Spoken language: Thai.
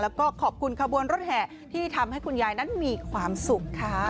แล้วก็ขอบคุณขบวนรถแห่ที่ทำให้คุณยายนั้นมีความสุขค่ะ